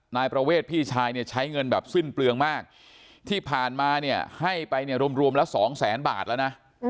นายประเวทพี่ชายเนี่ยใช้เงินแบบสิ้นเปลืองมากที่ผ่านมาเนี่ยให้ไปเนี่ยรวมละสองแสนบาทแล้วนะ